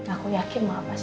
aku yakin mama pasti